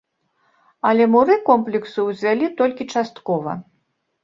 Але муры комплексу ўзвялі толькі часткова.